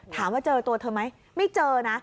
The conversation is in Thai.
ถามว่าเจอตัวเธอไหมไม่เจอนะ